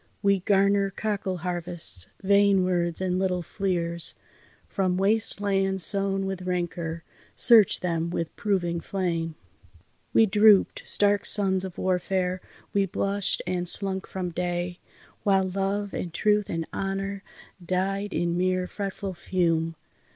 We garner cockle harvests, vain words and little fleers. From waste lands sown with rancour, search them with proving flame! We droop'd, stark sons of warfare, we blushed and slunk from day, While Love and Truth and Honour died in mere fretful fume.